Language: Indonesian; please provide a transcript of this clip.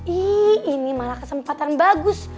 ini malah kesempatan bagus